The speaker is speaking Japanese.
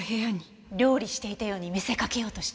料理していたように見せかけようとした。